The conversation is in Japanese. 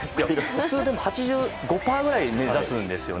普通、８５％くらい目指すんですよね。